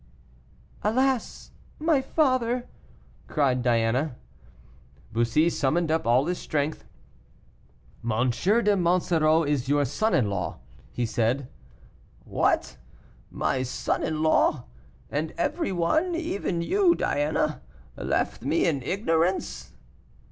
"Alas! my father!" cried Diana. Bussy summoned up all his strength. "M. de Monsoreau is your son in law," he said. "What! my son in law! and every one even you, Diana left me in ignorance."